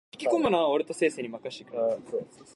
Also available for public use is the "Lafayette Skate Park".